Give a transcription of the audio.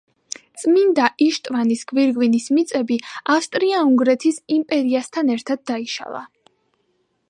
წმინდა იშტვანის გვირგვინის მიწები ავსტრია-უნგრეთის იმპერიასთან ერთად დაიშალა.